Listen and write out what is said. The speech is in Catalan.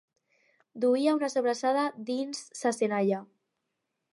duia una sobrassada dins sa senalla